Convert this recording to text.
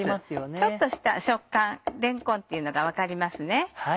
ちょっとした食感れんこんっていうのが分かります。